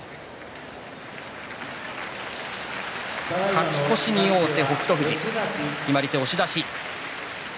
勝ち越しに王手、北勝富士決まり手、押し出し。